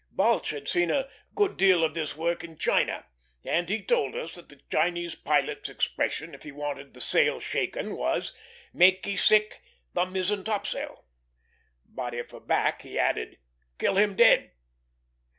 Balch had seen a good deal of this work in China, and he told us that the Chinese pilot's expression, if he wanted the sail shaken, was "Makee sick the mizzen topsail;" but if aback, he added, "Kill him dead."